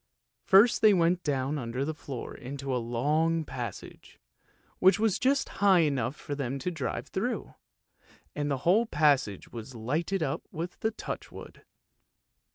First they went down under the floor into a long passage, which was just high enough for them to drive through, and the whole passage was lighted up with touch wood.